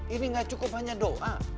ini gak cukup hanya doa